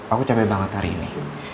aku capek banget hari ini